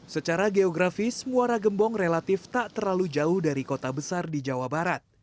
secara geografis muara gembong relatif tak terlalu jauh dari kota besar di jawa barat